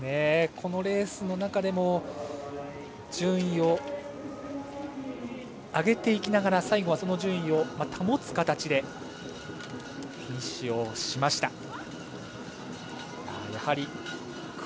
このレースの中でも順位を上げていきながら最後は、その順位を保つ形でフィニッシュをしました。